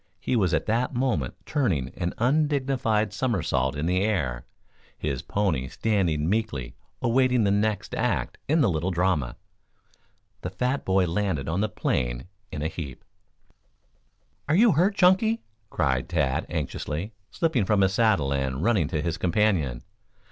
He was at that moment turning an undignified somersault in the air, his pony standing meekly, awaiting the next act in the little drama. The fat boy landed on the plain in a heap. "Are you hurt, Chunky?" cried Tad anxiously, slipping from his saddle and running to his companion.